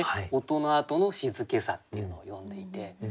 音のあとの静けさっていうのを詠んでいて。